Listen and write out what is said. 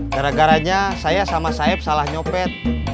gara garanya saya sama saib salah nyopet